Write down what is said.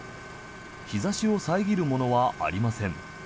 日差しを遮るものはありません。